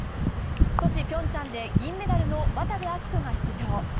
ソチ、ピョンチャンで銀メダルの渡部暁斗が出場。